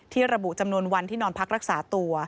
ระบุจำนวนวันที่นอนพักรักษาตัว